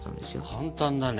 簡単だね。